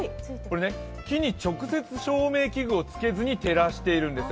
木に直接照明器具をつけずに照らしているんですよ。